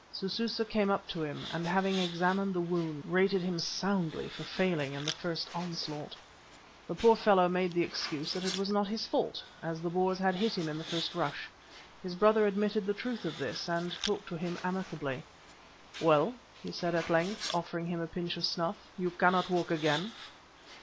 Sususa came up to him, and, having examined the wound, rated him soundly for failing in the first onslaught. The poor fellow made the excuse that it was not his fault, as the Boers had hit him in the first rush. His brother admitted the truth of this, and talked to him amicably. "Well," he said at length, offering him a pinch of snuff, "you cannot walk again."